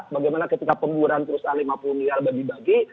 bagaimana ketika pemburan terus lima puluh miliar dibagi bagi